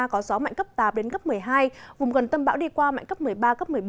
có gió mạnh cấp tám đến cấp một mươi hai vùng gần tâm bão đi qua mạnh cấp một mươi ba cấp một mươi bốn